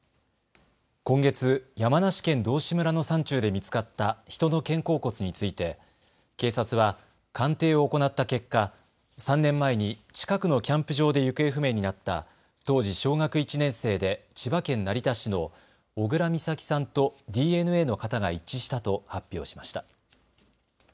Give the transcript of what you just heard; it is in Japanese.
今月、山梨県道志村の山中で見つかった人の肩甲骨について警察は鑑定を行った結果３年前に近くのキャンプ場で行方不明になった当時小学１年生で千葉県成田市の小倉美咲さんとＤＮＡの型が一致したと発表しました。